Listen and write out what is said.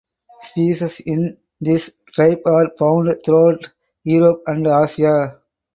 Species in this tribe are found throughout Europe and Asia.